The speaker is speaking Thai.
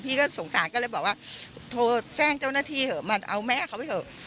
สงสารก็เลยบอกว่าโทรแจ้งเจ้าหน้าที่เถอะมาเอาแม่เขาไปเถอะ